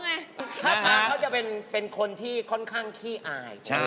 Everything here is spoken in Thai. เขาจะเป็นคนที่ค่อนข้างที่อาย